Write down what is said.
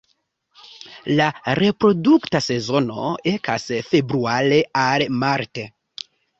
La reprodukta sezono ekas februare al marte.